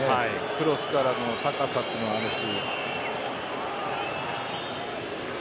クロスからの高さというのがあるし。